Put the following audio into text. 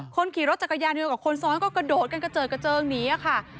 คนของรถจักรยานยนต์กับคนที่ซื้อทำให้เขากระโดดกันอย่างเกิวนะครับ